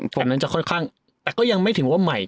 ตรงนั้นจะค่อนข้างแต่ก็ยังไม่ถึงว่าใหม่